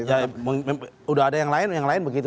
ya udah ada yang lain yang lain begitu